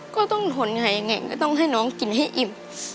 ก็ต้องทนหายยังไงก็ต้องให้น้องกินให้อิ่ม